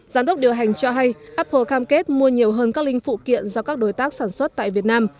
giám đốc điều hành cho hay apple cam kết mua nhiều hơn các linh phụ kiện do các đối tác sản xuất tại việt nam